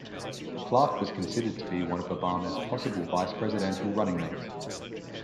Clark was considered to be one of Obama's possible vice-presidential running mates.